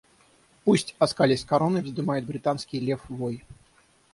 Пусть, оскалясь короной, вздымает британский лев вой.